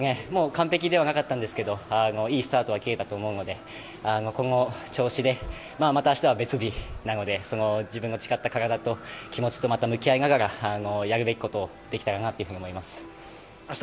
完璧ではなかったんですがいいスタートは切れたと思うのでこの調子で、明日は別日なので自分の培った体と気持ちと向き合いながらやるべきことをできたらなと思います。